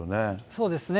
そうですね。